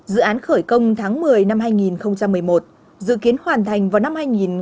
dự án khởi công tháng một mươi năm hai nghìn một mươi một dự kiến hoàn thành vào năm hai nghìn hai mươi